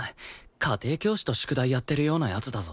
家庭教師と宿題やってるような奴だぞ